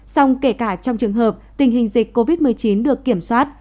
xong kể cả trong trường hợp tình hình dịch covid một mươi chín được kiểm soát